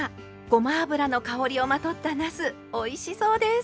ごま油の香りをまとったなすおいしそうです！